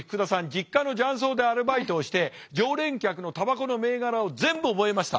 実家の雀荘でアルバイトをして常連客のたばこの銘柄を全部覚えました。